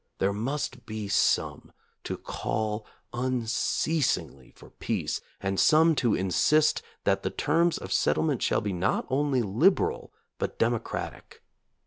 There must be some to call unceasingly for peace, and some to insist that the terms of settlement shall be not only liberal but democratic.